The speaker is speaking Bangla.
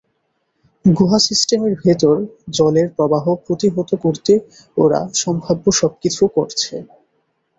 গুহা সিস্টেমের ভিতর জলের প্রবাহ প্রতিহত করতে ওরা সম্ভাব্য সবকিছু করছে।